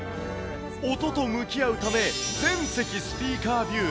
音と向き合うため、全席スピーカービュー。